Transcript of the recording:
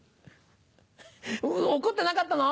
怒ってなかったの？